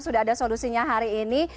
sudah ada solusinya hari ini